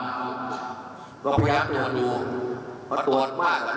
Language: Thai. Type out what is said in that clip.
มากก็พยายามจะลองดูค่ะตรวจมากมาก